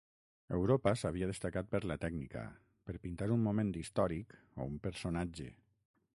Europa s'havia destacat per la tècnica, per pintar un moment històric o un personatge.